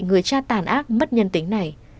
người cha tàn ác mất nhân tính này